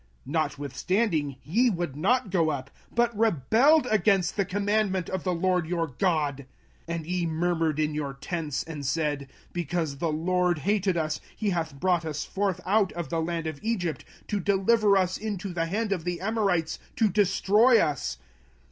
05:001:026 Notwithstanding ye would not go up, but rebelled against the commandment of the LORD your God: 05:001:027 And ye murmured in your tents, and said, Because the LORD hated us, he hath brought us forth out of the land of Egypt, to deliver us into the hand of the Amorites, to destroy us.